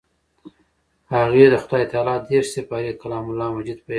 هغې د خدای تعالی دېرش سپارې کلام الله مجيد په ياد دی.